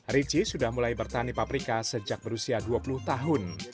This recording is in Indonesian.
richie sudah mulai bertani paprika sejak berusia dua puluh tahun